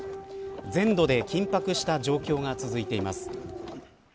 全土で緊迫した状況が続いています。